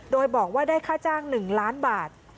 โดยบอกว่าได้ค่าจ้าง๑ล้านบาท